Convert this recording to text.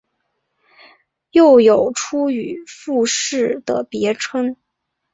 又有出羽富士的别称。